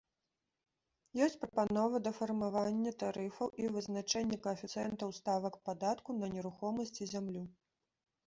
Ёсць прапановы да фармавання тарыфаў і вызначэння каэфіцыентаў ставак падатку на нерухомасць і зямлю.